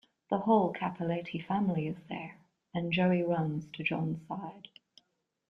The whole Cappelletti family is there, and Joey runs to John's side.